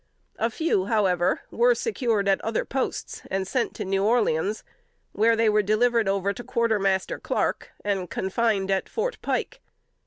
A few, however, were secured at other posts, and sent to New Orleans, where they were delivered over to Quarter Master Clark, and confined at "Fort Pike."